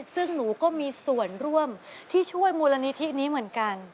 ซึ่งหนูก็มีส่วนร่วมที่ช่วยมูลนิธินี้เหมือนกัน